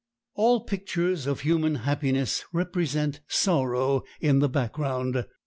All pictures of human happiness represent sorrow in the background.